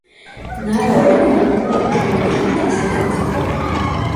ნავარა ეკონომიკურად ჩამორჩენილი სახელმწიფო იყო.